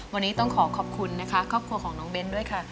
วันนี้ต้องขอขอบคุณนะคะครอบครัวของน้องเบ้นด้วยค่ะ